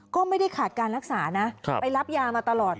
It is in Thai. ก็ไม่ได้ขาดการรักษานะไปรับยามาตลอด